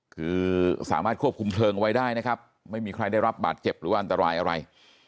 คือสามารถควบคุมเพลิงไว้ได้นะครับไม่มีใครได้รับบาดเจ็บหรือว่าอันตรายอะไร